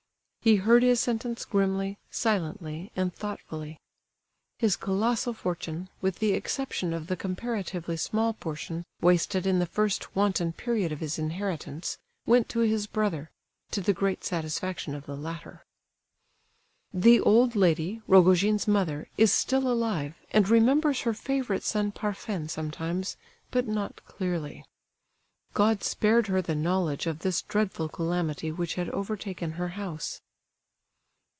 He heard his sentence grimly, silently, and thoughtfully. His colossal fortune, with the exception of the comparatively small portion wasted in the first wanton period of his inheritance, went to his brother, to the great satisfaction of the latter. The old lady, Rogojin's mother, is still alive, and remembers her favourite son Parfen sometimes, but not clearly. God spared her the knowledge of this dreadful calamity which had overtaken her house.